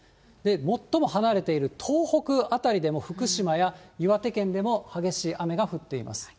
最も離れている東北辺りでも、福島や岩手県でも激しい雨が降っています。